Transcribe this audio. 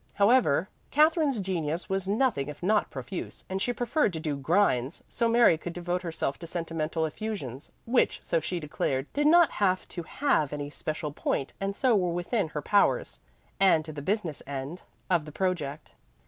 However, Katherine's genius was nothing if not profuse, and she preferred to do "grinds," so Mary could devote herself to sentimental effusions, which, so she declared, did not have to have any special point and so were within her powers, and to the business end of the project.